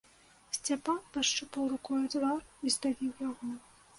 Сцяпан пашчупаў рукою твар і здавіў яго.